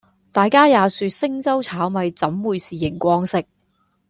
大家也說星洲炒米怎會是螢光色